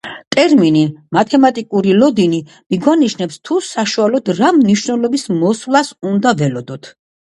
ტერმინი „მათემატიკური ლოდინი“ მიგვანიშნებს, თუ საშუალოდ რა მნიშვნელობის მოსვლას უნდა ველოდოთ.